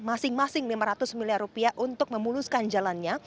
masing masing lima ratus miliar rupiah untuk memuluskan jalannya